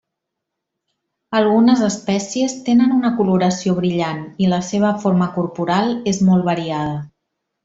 Algunes espècies tenen una coloració brillant, i la seva forma corporal és molt variada.